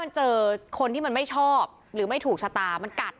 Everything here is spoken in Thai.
นี่นี่นี่นี่นี่นี่